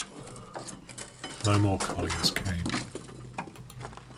No more colliers came.